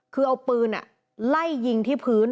คือเอาปืนไล่ยิงที่พื้น